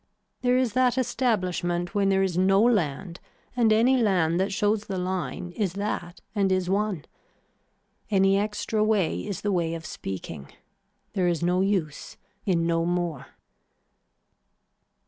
There is that establishment when there is no land and any land that shows the line is that and is one. Any extra way is the way of speaking. There is no use in no more.